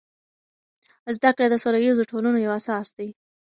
زده کړه د سوله ییزو ټولنو یو اساس دی.